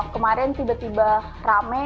kemarin tiba tiba rame